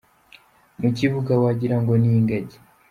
Mu kibuga wagira ngo ni ingagi.